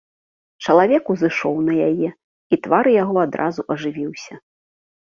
Чалавек узышоў на яе, і твар яго адразу ажывіўся.